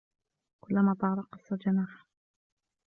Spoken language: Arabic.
كلما طار قص جناحه